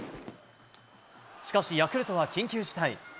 しかし、ヤクルトは緊急事態。